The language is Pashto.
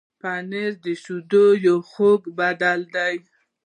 پنېر د شیدو یو خوږ بدیل دی.